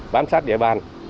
bám sát địa bàn